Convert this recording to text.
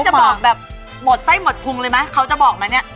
มันหมดไส้หมดพุงเลยมั้ย